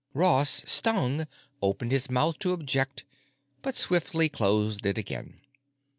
Ross, stung, opened his mouth to object; but swiftly closed it again.